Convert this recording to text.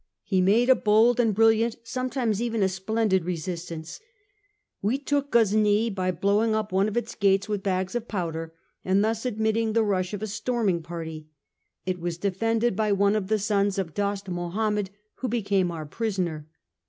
He made a bold and brilliant, sometimes even a splen did resistance. We took Ghuznee by blowing up one of its gates with bags of powder, and thus admitting the rush of a storming party. It was defended by one of the sons of Dost Mahomed, who became our prisoner.